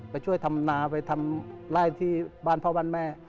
ไปช่วยทำนาไปทำไล่ที่บ้านพ่อบ้านแม่